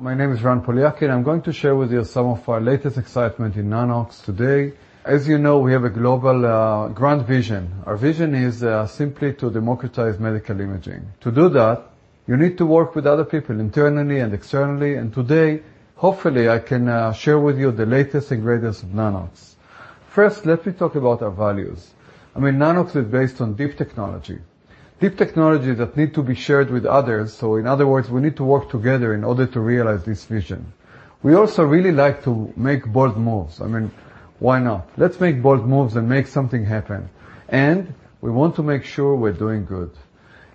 My name is Ran Poliakine, I'm going to share with you some of our latest excitement in Nanox today. As you know, we have a global grand vision. Our vision is simply to democratize medical imaging. To do that, you need to work with other people internally and externally, and today, hopefully, I can share with you the latest and greatest of Nanox. First, let me talk about our values. Nanox is based on deep technology, deep technology that need to be shared with others. In other words, we need to work together in order to realize this vision. We also really like to make bold moves. I mean, why not? Let's make bold moves and make something happen. We want to make sure we're doing good.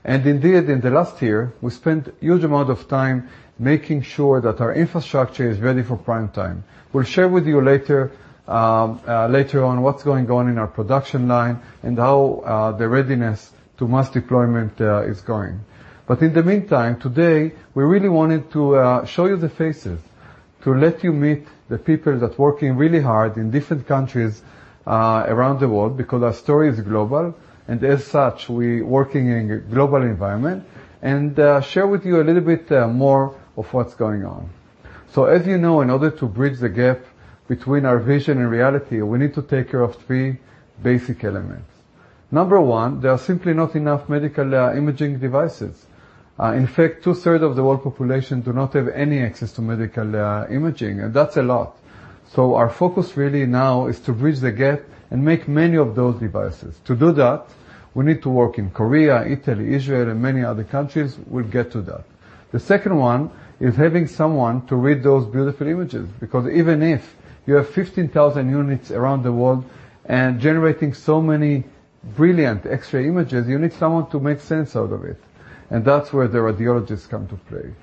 Indeed, in the last year, we spent huge amount of time making sure that our infrastructure is ready for prime time. We'll share with you later on what's going on in our production line and how the readiness to mass deployment is going. In the meantime today, we really wanted to show you the faces, to let you meet the people that are working really hard in different countries around the world because our story is global, and as such, we're working in a global environment, and share with you a little bit more of what's going on. As you know, in order to bridge the gap between our vision and reality, we need to take care of three basic elements. Number one, there are simply not enough medical imaging devices. In fact, two-third of the world population do not have any access to medical imaging, and that's a lot. Our focus really now is to bridge the gap and make many of those devices. To do that, we need to work in Korea, Italy, Israel, and many other countries. We'll get to that. The second one is having someone to read those beautiful images, because even if you have 15,000 units around the world and generating so many brilliant X-ray images, you need someone to make sense out of it, and that's where the radiologists come to play.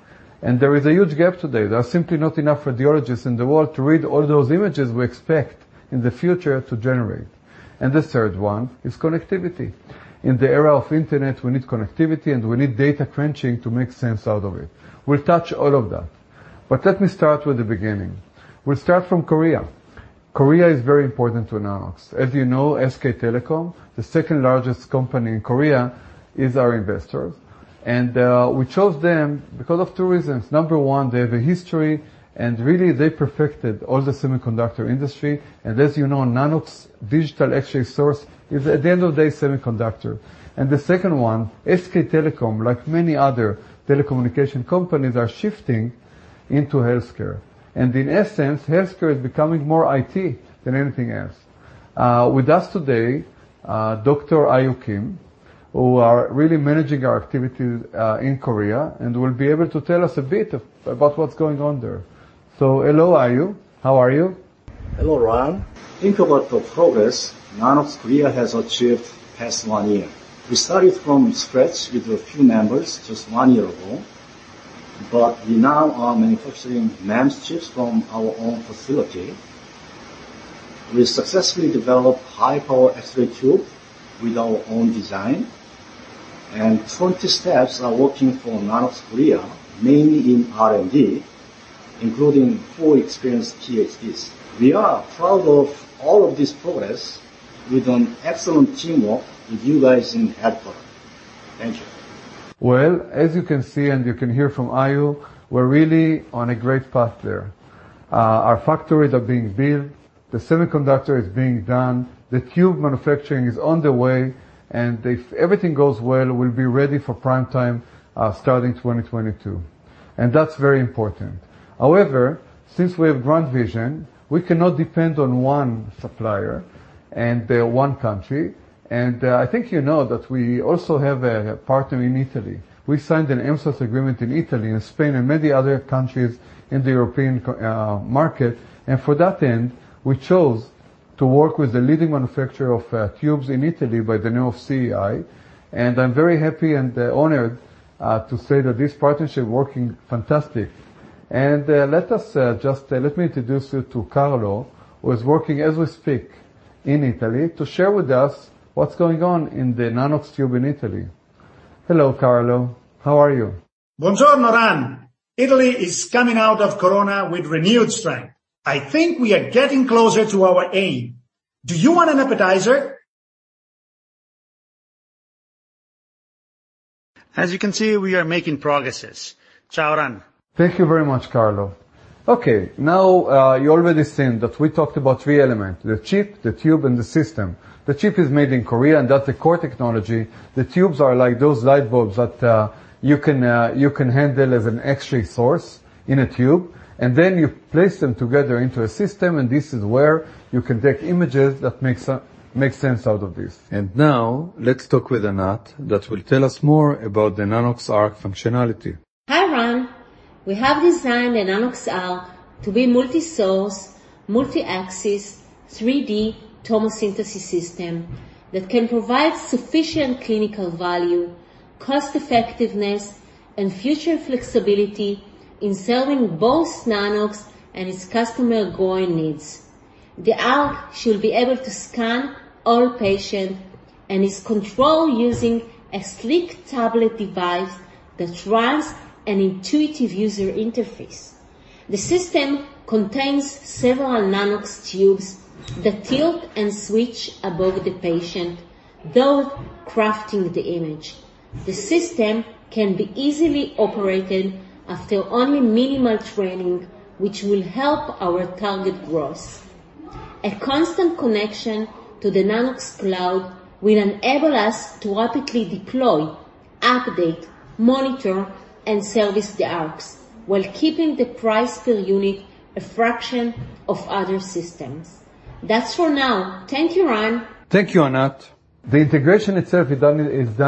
There is a huge gap today. There are simply not enough radiologists in the world to read all those images we expect in the future to generate. The third one is connectivity. In the era of internet, we need connectivity, and we need data crunching to make sense out of it. We'll touch all of that. Let me start with the beginning. We'll start from Korea. Korea is very important to Nanox. As you know, SK Telecom, the second largest company in Korea, is our investor. We chose them because of two reasons. Number one, they have a history, and really, they perfected all the semiconductor industry. As you know, Nanox digital X-ray source is, at the end of the day, semiconductor. The second one, SK Telecom, like many other telecommunication companies, are shifting into healthcare. In essence, healthcare is becoming more IT than anything else. With us today, Dr. Ilung Kim, who are really managing our activities in Korea and will be able to tell us a bit about what's going on there. Hello, Ilung, how are you? Hello, Ran. Think about the progress Nanox Korea has achieved past one year. We started from scratch with a few members just one year ago. We now are manufacturing MEMS chips from our own facility. We successfully developed high-power X-ray tube with our own design. 20 staff are working for Nanox Korea, mainly in R&D, including four experienced PhDs. We are proud of all of this progress. We've done excellent teamwork with you guys in headquarters. Thank you. As you can see, and you can hear from Ilung, we're really on a great path there. Our factories are being built, the semiconductor is being done, the tube manufacturing is on the way, and if everything goes well, we'll be ready for prime time starting 2022, and that's very important. However, since we have grand vision, we cannot depend on one supplier and one country, and I think you know that we also have a partner in Italy. We signed an MSaaS agreement in Italy and Spain and many other countries in the European market, and for that end, we chose to work with a leading manufacturer of tubes in Italy by the name of CEI, and I'm very happy and honored to say that this partnership working fantastic. Let me introduce you to Carlo, who is working as we speak in Italy to share with us what's going on in the Nanox tube in Italy. Hello, Carlo. How are you? Italy is coming out of Corona with renewed strength. I think we are getting closer to our aim. Do you want an appetizer? As you can see, we are making progress. Thank you very much, Carlo. Okay, now, you already seen that we talked about three elements, the chip, the tube, and the system. The chip is made in Korea, and that's the core technology. The tubes are like those light bulbs that you can handle as an X-ray source in a tube, and then you place them together into a system, and this is where you can take images that make sense out of this. Now let's talk with Anat that will tell us more about the Nanox.ARC functionality. Hi, Ran. We have designed the Nanox.ARC to be multi-source, multi-axis, 3D tomosynthesis system that can provide sufficient clinical value, cost effectiveness, and future flexibility in serving both Nanox and its customer growing needs. The ARC should be able to scan all patient and is controlled using a slick tablet device that runs an intuitive user interface. The system contains several Nanox tubes that tilt and switch above the patient. Those crafting the image. The system can be easily operated after only minimal training, which will help our target growth. A constant connection to the Nanox.CLOUD will enable us to rapidly deploy, update, monitor, and service the ARCs while keeping the price per unit a fraction of other systems. That's for now. Thank you, Ran. Thank you, Anat. The integration itself is done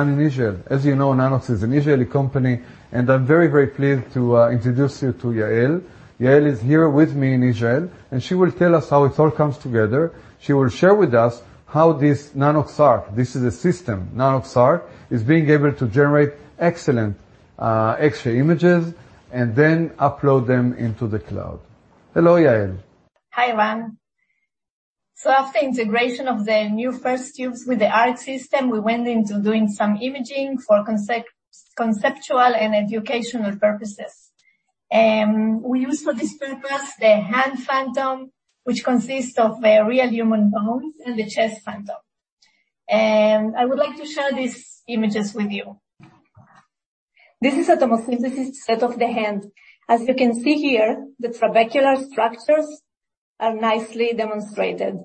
in Israel. As you know, Nanox is an Israeli company, I'm very, very pleased to introduce you to Yael. Yael is here with me in Israel, she will tell us how it all comes together. She will share with us how this Nanox.ARC, this is a system, Nanox.ARC, is being able to generate excellent X-ray images then upload them into the Nanox.CLOUD. Hello, Yael. Hi, Ran. After integration of the new first tubes with the ARC system, we went into doing some imaging for conceptual and educational purposes. We use for this purpose the hand phantom, which consists of real human bones, and the chest phantom. I would like to share these images with you. This is a tomosynthesis set of the hand. As you can see here, the trabecular structures are nicely demonstrated.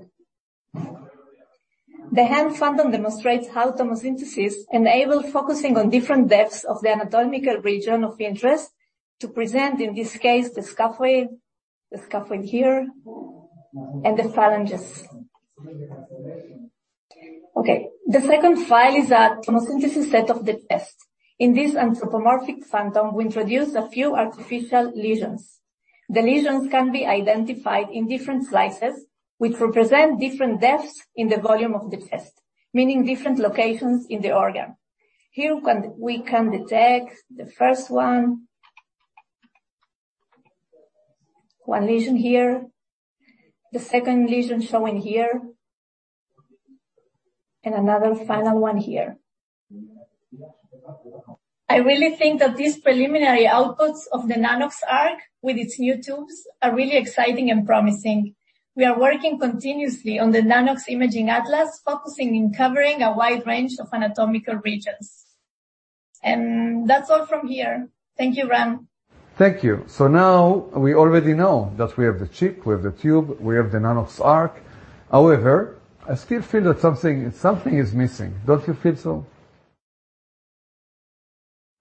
The hand phantom demonstrates how tomosynthesis enabled focusing on different depths of the anatomical region of the interest to present, in this case, the scaphoid here and the phalanges. Okay. The second file is a tomosynthesis set of the chest. In this anthropomorphic phantom, we introduce a few artificial lesions. The lesions can be identified in different slices, which represent different depths in the volume of the chest, meaning different locations in the organ. Here we can detect the first one. One lesion here, the second lesion showing here, and another final one here. I really think that these preliminary outputs of the Nanox.ARC with its new tubes are really exciting and promising. We are working continuously on the Nanox Imaging Atlas, focusing on covering a wide range of anatomical regions. That's all from here. Thank you, Ran. Thank you. Now we already know that we have the chip, we have the tube, we have the Nanox.ARC. However, I still feel that something is missing. Don't you feel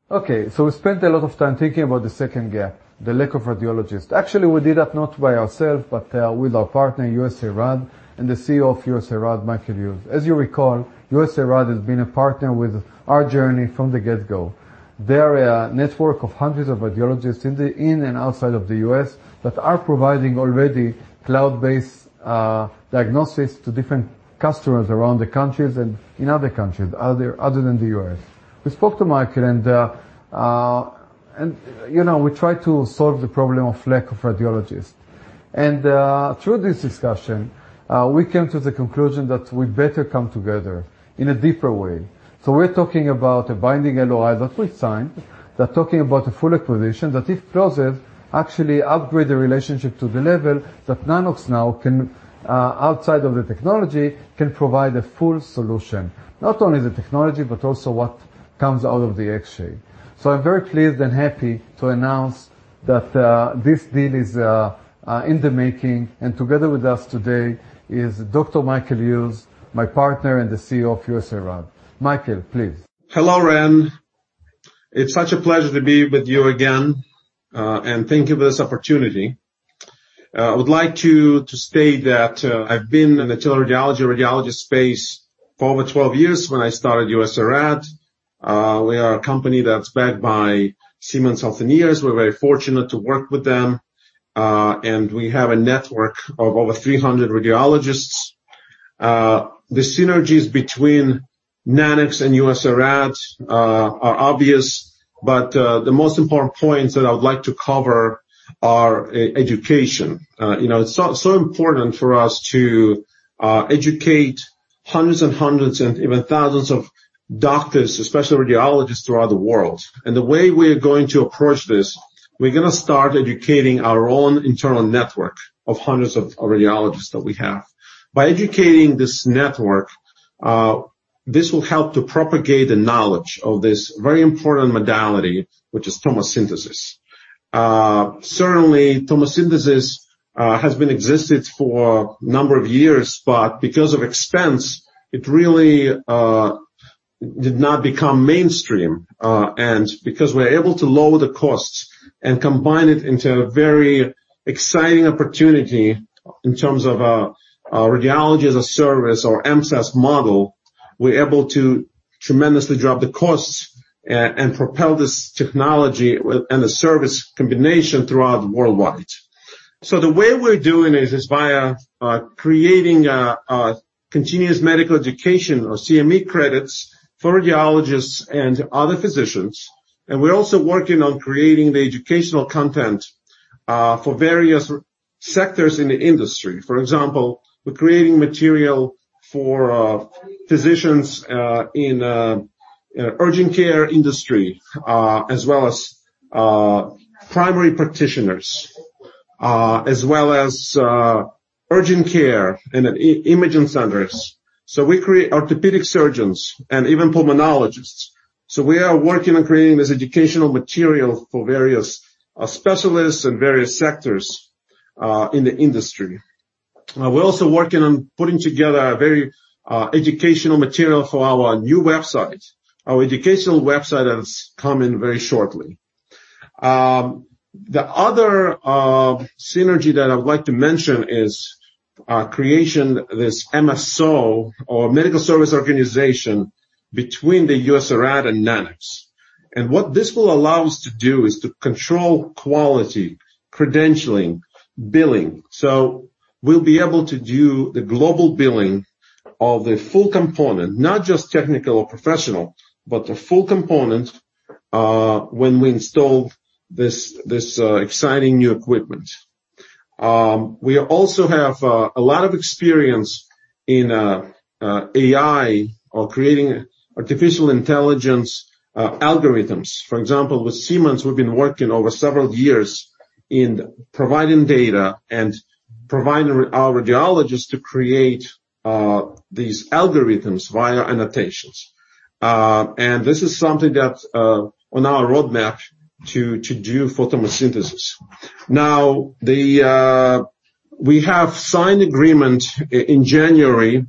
so? We spent a lot of time thinking about the second gap, the lack of radiologists. Actually, we did that not by ourselves, but with our partner, USARAD, and the Chief Executive Officer of USARAD, Michael Yuz. As you recall, USARAD has been a partner with our journey from the get-go. They are a network of hundreds of radiologists in and outside of the U.S. that are providing already cloud-based diagnosis to different customers around the countries and in other countries other than the U.S. We spoke to Michael, and we tried to solve the problem of lack of radiologists. Through this discussion, we came to the conclusion that we better come together in a deeper way. We're talking about a binding LOI that we signed. We're talking about a full acquisition that, if closed, actually upgrade the relationship to the level that Nanox now can, outside of the technology, can provide a full solution. Not only the technology, but also what comes out of the X-ray. I'm very pleased and happy to announce that this deal is in the making, and together with us today is Dr. Michael Yuz, my partner and the Chief Executive Officer of USARAD. Michael, please. Hello, Ran. It's such a pleasure to be with you again. Thank you for this opportunity. I would like to state that I've been in the teleradiology, radiology space for over 12 years when I started USARAD. We are a company that's backed by Siemens Healthineers. We're very fortunate to work with them. We have a network of over 300 radiologists. The synergies between Nanox and USARAD are obvious. The most important points that I would like to cover are education. It's so important for us to educate hundreds and hundreds and even thousands of doctors, especially radiologists, throughout the world. The way we are going to approach this, we're going to start educating our own internal network of hundreds of radiologists that we have. By educating this network, this will help to propagate the knowledge of this very important modality, which is tomosynthesis. Certainly, tomosynthesis has been existed for a number of years, but because of expense, it really did not become mainstream. Because we're able to lower the costs and combine it into a very exciting opportunity in terms of a radiology-as-a-service or MSaaS model, we're able to tremendously drop the costs and propel this technology and the service combination throughout worldwide. The way we're doing it is via creating a continuous medical education or CME credits for radiologists and other physicians. We're also working on creating the educational content for various sectors in the industry. For example, we're creating material for physicians in urgent care industry, as well as primary practitioners. As well as urgent care and imaging centers. We create orthopedic surgeons and even pulmonologists. We are working on creating this educational material for various specialists and various sectors in the industry. We're also working on putting together a very educational material for our new website. Our educational website is coming very shortly. The other synergy that I'd like to mention is our creation, this MSO or medical service organization between the USARAD and Nanox. What this will allow us to do is to control quality, credentialing, billing. We'll be able to do the global billing of the full component, not just technical or professional, but the full component when we install this exciting new equipment. We also have a lot of experience in AI or creating artificial intelligence algorithms. For example, with Siemens, we've been working over several years in providing data and providing our radiologists to create these algorithms via annotations. This is something that's on our roadmap to do tomosynthesis. We have signed agreement in January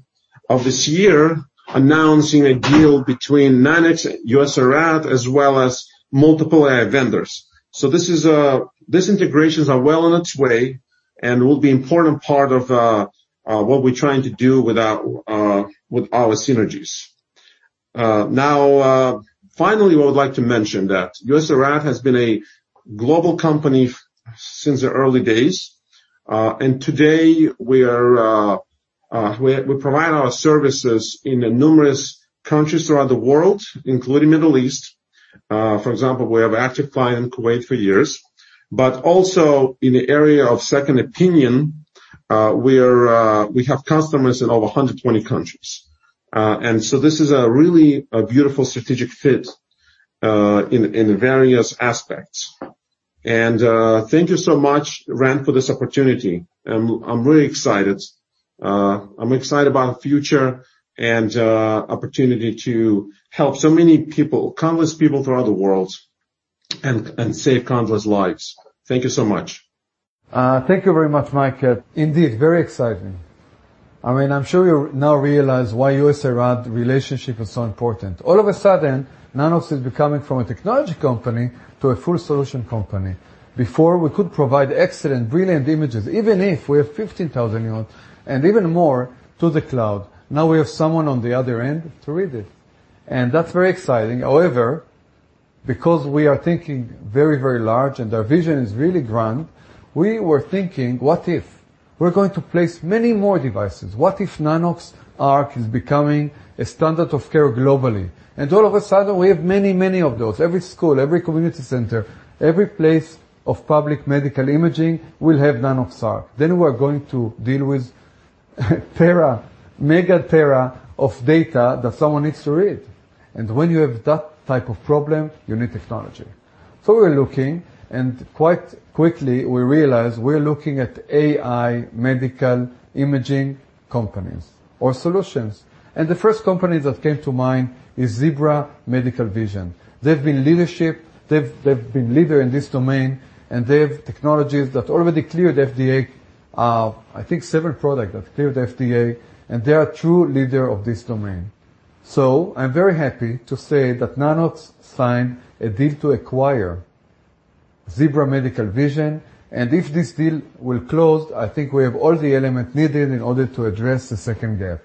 of this year announcing a deal between Nanox, USARAD, as well as multiple AI vendors. These integrations are well on its way and will be important part of what we're trying to do with our synergies. Finally, I would like to mention that USARAD has been a global company since the early days. Today, we provide our services in numerous countries around the world, including Middle East. For example, we have active client in Kuwait for years, but also in the area of second opinion, we have customers in over 120 countries. This is a really beautiful strategic fit in various aspects. Thank you so much, Ran, for this opportunity. I'm really excited. I'm excited about future and opportunity to help so many people, countless people throughout the world, and save countless lives. Thank you so much. Thank you very much, Michael. Indeed, very exciting. I'm sure you now realize why USARAD relationship is so important. All of a sudden, Nanox is becoming from a technology company to a full solution company. Before, we could provide excellent, brilliant images, even if we have 15,000 units and even more to the cloud. Now we have someone on the other end to read it, and that's very exciting. However, because we are thinking very, very large and our vision is really grand, we were thinking, what if we're going to place many more devices? What if Nanox.ARC is becoming a standard of care globally? All of a sudden, we have many, many of those. Every school, every community center, every place of public medical imaging will have Nanox.ARC. We're going to deal with mega tera of data that someone needs to read. When you have that type of problem, you need technology. We're looking, and quite quickly, we realize we're looking at AI medical imaging companies or solutions. The first company that came to mind is Zebra Medical Vision. They've been leader in this domain, and they have technologies that already cleared FDA. I think seven products have cleared FDA, and they are true leader of this domain. I'm very happy to say that Nanox signed a deal to acquire Zebra Medical Vision, and if this deal will close, I think we have all the elements needed in order to address the second gap.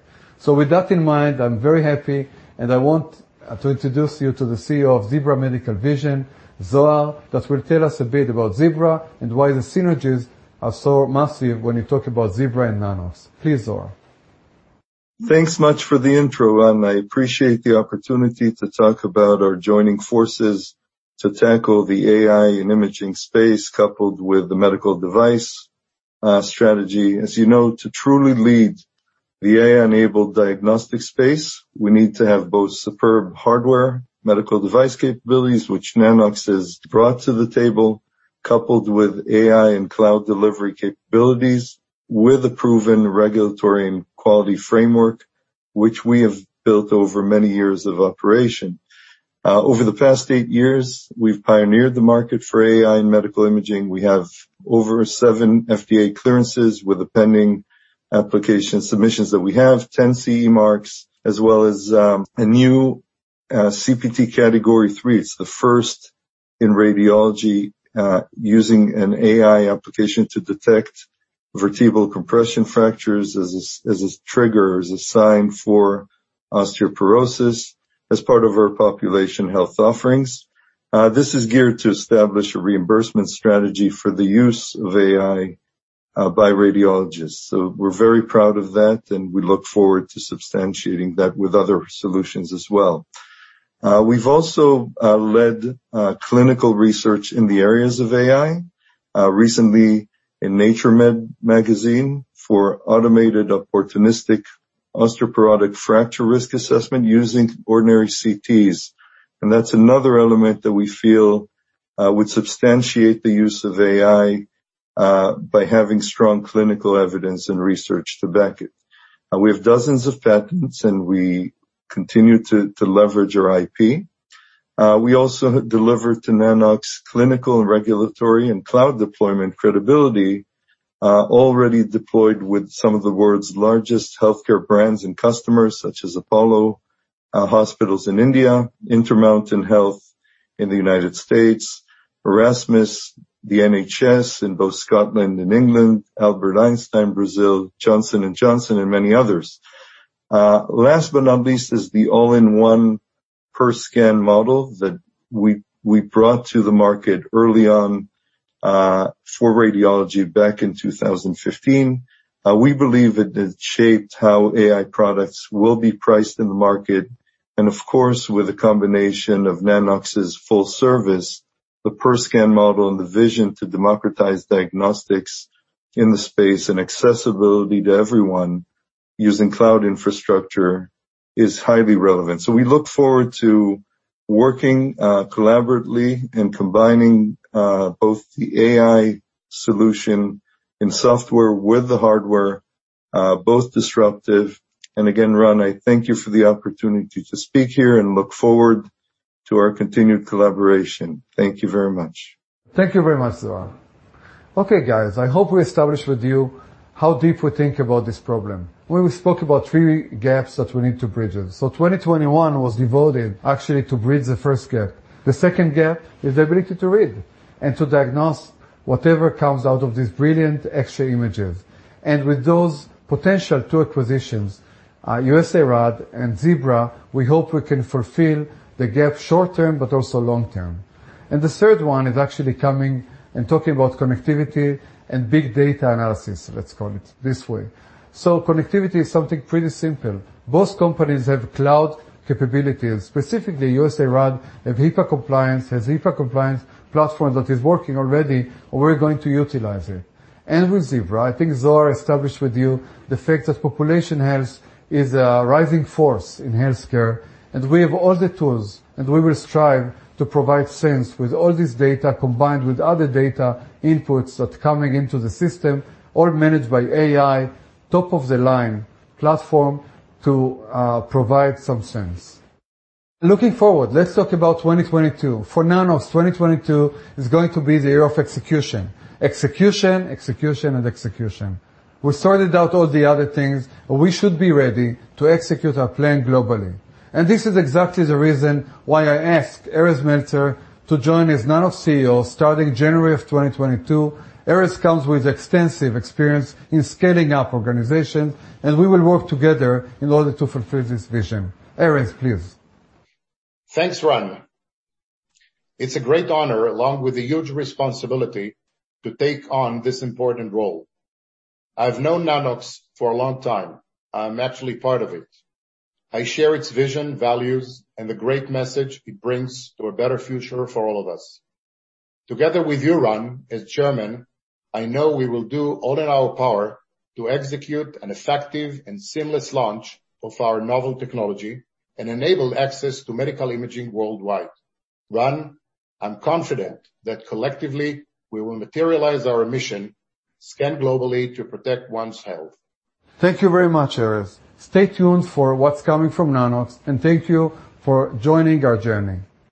With that in mind, I am very happy, and I want to introduce you to the Chief Executive Officer of Zebra Medical Vision, Zohar, that will tell us a bit about Zebra and why the synergies are so massive when you talk about Zebra and Nanox. Please, Zohar. Thanks much for the intro, Ran. I appreciate the opportunity to talk about our joining forces to tackle the AI and imaging space coupled with the medical device strategy. As you know, to truly lead the AI-enabled diagnostic space, we need to have both superb hardware, medical device capabilities, which Nanox has brought to the table, coupled with AI and cloud delivery capabilities with a proven regulatory and quality framework, which we have built over many years of operation. Over the past eight years, we've pioneered the market for AI in medical imaging. We have over seven FDA clearances, with pending application submissions that we have, 10 CE marks, as well as a new CPT Category III. It's the first in radiology, using an AI application to detect vertebral compression fractures as a trigger, as a sign for osteoporosis as part of our population health offerings. This is geared to establish a reimbursement strategy for the use of AI by radiologists. We're very proud of that, and we look forward to substantiating that with other solutions as well. We've also led clinical research in the areas of AI. Recently in Nature Medicine for automated opportunistic osteoporotic fracture risk assessment using ordinary CTs. That's another element that we feel would substantiate the use of AI by having strong clinical evidence and research to back it. We have dozens of patents, and we continue to leverage our IP. We also deliver to Nanox clinical, regulatory, and cloud deployment credibility, already deployed with some of the world's largest healthcare brands and customers, such as Apollo Hospitals in India, Intermountain Health in the United States, Erasmus, the NHS in both Scotland and England, Albert Einstein, Brazil, Johnson & Johnson, and many others. Last but not least is the all-in-one per scan model that we brought to the market early on for radiology back in 2015. We believe it has shaped how AI products will be priced in the market. Of course, with a combination of Nanox's full service, the per scan model, and the vision to democratize diagnostics in the space, and accessibility to everyone using cloud infrastructure is highly relevant. We look forward to working collaboratively and combining both the AI solution and software with the hardware, both disruptive. Again, Ran, I thank you for the opportunity to speak here and look forward to our continued collaboration. Thank you very much. Thank you very much, Zohar. Okay, guys, I hope we established with you how deep we think about this problem. We spoke about three gaps that we need to bridge. 2021 was devoted actually to bridge the first gap. The second gap is the ability to read and to diagnose whatever comes out of these brilliant X-ray images. With those potential two acquisitions, USARAD and Zebra, we hope we can fulfill the gap short-term but also long-term. The third one is actually coming and talking about connectivity and big data analysis, let's call it this way. Connectivity is something pretty simple. Both companies have cloud capabilities, specifically USARAD has HIPAA compliance, has HIPAA compliance platform that is working already. We're going to utilize it. With Zebra, I think Zohar established with you the fact that population health is a rising force in healthcare, and we have all the tools, and we will strive to provide sense with all this data, combined with other data inputs that coming into the system, all managed by AI, top-of-the-line platform to provide some sense. Looking forward, let's talk about 2022. For Nanox, 2022 is going to be the year of execution. Execution, execution, and execution. We sorted out all the other things. We should be ready to execute our plan globally. This is exactly the reason why I asked Erez Meltzer to join as Nanox Chief Executive Officer starting January of 2022. Erez comes with extensive experience in scaling up organization, and we will work together in order to fulfill this vision. Erez, please. Thanks, Ran. It's a great honor, along with a huge responsibility to take on this important role. I've known Nanox for a long time. I'm actually part of it. I share its vision, values, and the great message it brings to a better future for all of us. Together with you, Ran, as Chairman, I know we will do all in our power to execute an effective and seamless launch of our novel technology and enable access to medical imaging worldwide. Ran, I'm confident that collectively, we will materialize our mission, scan globally to protect one's health. Thank you very much, Erez. Stay tuned for what's coming from Nanox, and thank you for joining our journey.